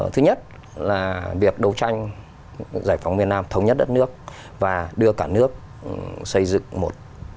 thứ nhất là việc đấu tranh giải phóng miền nam thống nhất đất nước và đưa cả nước xây dựng một